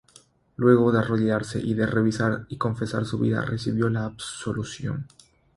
Luego de arrodillarse y de revisar y confesar su vida, recibió la absolución.